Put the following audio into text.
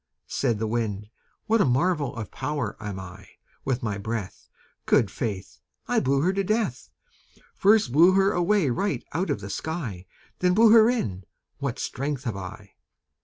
Said the Wind "What a marvel of power am I! With my breath, Good faith! I blew her to death First blew her away right out of the sky Then blew her in; what strength have I!"